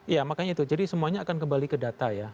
ya makanya itu jadi semuanya akan kembali ke data ya